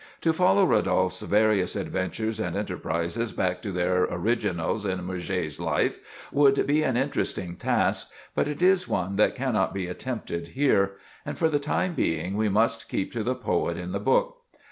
To follow Rodolphe's various adventures and enterprises back to their originals in Murger's life, would be an interesting task, but it is one that cannot be attempted here; and for the time being we must keep to the poet in the book.